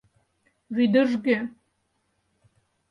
Вӱдыжгӧ.